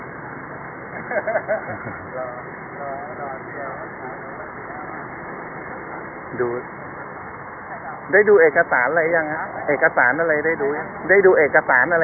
ขอบคุณที่ทำดีดีกับแม่ของฉันหน่อยครับ